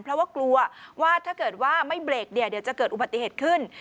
เพราะว่ากลัวว่าถ้าเกิดว่าไม่เบรกเนี่ยเดี๋ยวจะเกิดอุบัติเหตุขึ้น